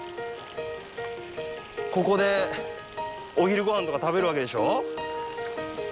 ここでお昼ごはんとか食べるわけでしょ？